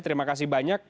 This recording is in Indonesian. terima kasih banyak